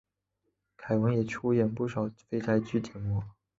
凯文也出演不少肥皂剧节目。